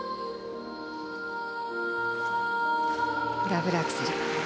ダブルアクセル。